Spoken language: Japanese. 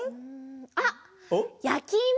あっやきいも！